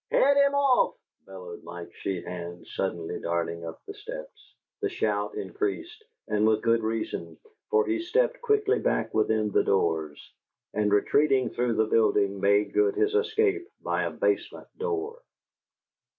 "HEAD HIM OFF!" bellowed Mike Sheehan, suddenly darting up the steps. The shout increased, and with good reason, for he stepped quickly back within the doors; and, retreating through the building, made good his escape by a basement door.